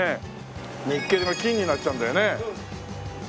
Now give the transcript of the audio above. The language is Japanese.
ニッケルが金になっちゃうんだよね。